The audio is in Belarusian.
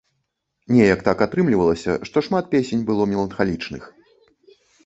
Неяк так атрымлівалася, што шмат песень было меланхалічных.